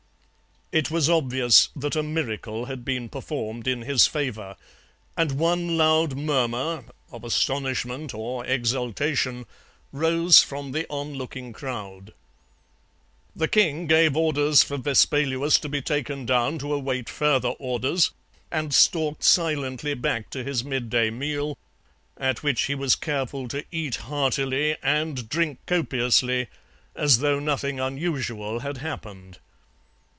It was obvious that a miracle had been performed in his favour, and one loud murmur, of astonishment or exultation, rose from the onlooking crowd. The king gave orders for Vespaluus to be taken down to await further orders, and stalked silently back to his midday meal, at which he was careful to eat heartily and drink copiously as though nothing unusual had happened.